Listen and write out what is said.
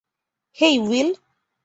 Hey, will.